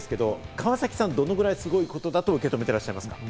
川崎さん、どのくらいすごいことだと受け止めていらっしゃいますか？